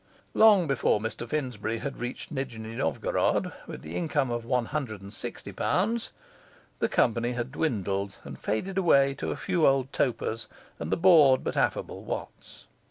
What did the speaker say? Long before Mr Finsbury had reached Nijni Novgorod with the income of one hundred and sixty pounds, the company had dwindled and faded away to a few old topers and the bored but affable Watts.